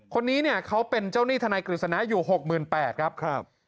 คนนี้เขาเป็นเจ้าหนี้ธนายกริษณะอยู่๖๘๐๐๐บาท